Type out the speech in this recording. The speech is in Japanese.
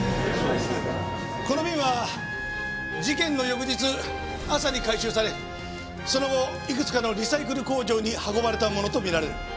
この瓶は事件の翌日朝に回収されその後いくつかのリサイクル工場に運ばれたものと見られる。